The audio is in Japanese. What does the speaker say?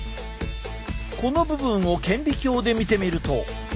この部分を顕微鏡で見てみると。